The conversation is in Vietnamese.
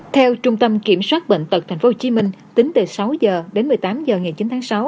theo trung tâm kiểm soát bệnh tật tp hcm tính từ sáu h đến một mươi tám h ngày chín tháng sáu